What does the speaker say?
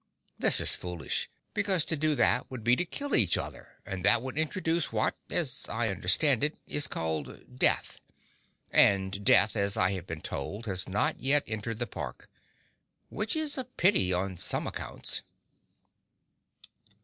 This is foolish, because to do that would be to kill each other, and that would introduce what, as I understand it, is called "death;" and death, as I have been told, has not yet entered the Park. Which is a pity, on some accounts.